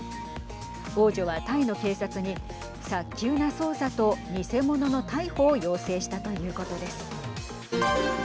王女は、タイの警察に早急な捜査と偽物の逮捕を要請したということです。